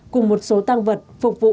cùng một số tang vật phục vụ